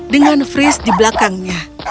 dengan fris di belakangnya